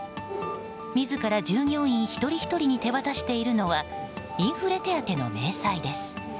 自ら従業員一人ひとりに手渡しているのはインフレ手当の明細です。